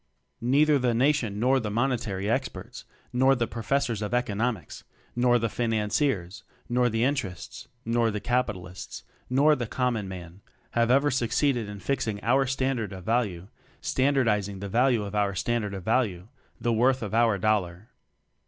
Neither the Nation nor the Mone tary Experts, nor the Professors of Economics, nor the Financiers, nor the Interests, nor the Capitalists, nor the Common Man, have ever suc ceeded in fixing our "standard of value" standardizing the value of our "standard of value" the worth of our Dollar.